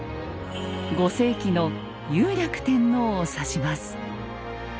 ５世紀の雄略天皇を指します。